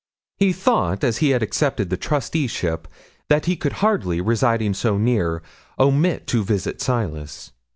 'He thought, as he had accepted the trusteeship, that he could hardly, residing so near, omit to visit Silas.